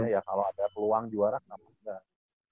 ya kalau ada peluang juara kenapa enggak